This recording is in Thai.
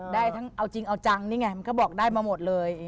ได้ทั้งเอาจริงเอาจังนี่ไงมันก็บอกได้มาหมดเลย